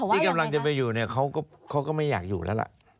ที่กำลังจะไปอยู่เนี่ยเขาก็ไม่อยากอยู่แล้วล่ะ